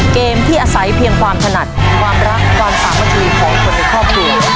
เกมที่อาศัยเพียงความถนัดความรักความสามัคคีของคนในครอบครัว